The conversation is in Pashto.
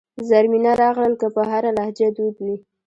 زرمینه راغلل که په هره لهجه دود وي.